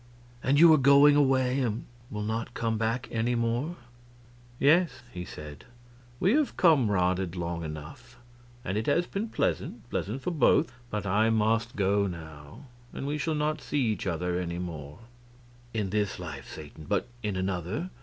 "And you are going away, and will not come back any more?" "Yes," he said. "We have comraded long together, and it has been pleasant pleasant for both; but I must go now, and we shall not see each other any more." "In this life, Satan, but in another?